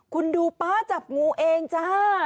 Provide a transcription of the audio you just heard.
คุณดูป๊าจับงูเองจ้า